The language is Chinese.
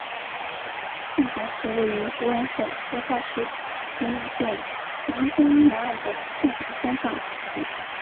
凤凰寺位于湖南省怀化市沅陵县沅江南岸的凤凰山上。